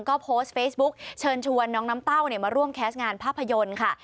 ก็โพสต์เฟซบุ๊กเชิญชวนน้องน้ำเต้ามาร่วมแคสต์งานภาพยนตร์ค่ะ